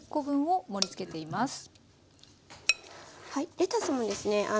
レタスもですね